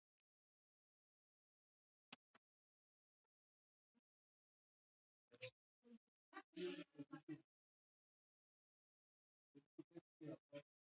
ازادي راډیو د طبیعي پېښې په اړه د استادانو شننې خپرې کړي.